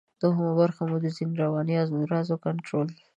دوهمه برخه مو د ځینو رواني امراضو په کنټرول